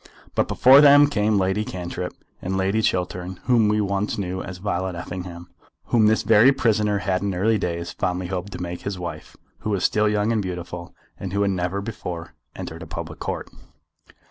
But before them came Lady Cantrip, and Lady Chiltern, whom we once knew as Violet Effingham, whom this very prisoner had in early days fondly hoped to make his wife, who was still young and beautiful, and who had never before entered a public Court.